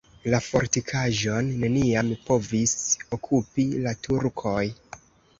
La fortikaĵon neniam povis okupi la turkoj.